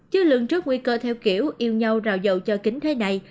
chứ lường trước nguy cơ theo kiểu yêu nhau rào dầu cho kính thuê này